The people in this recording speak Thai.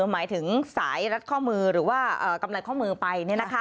หมายถึงสายรัดข้อมือหรือว่ากำไรข้อมือไป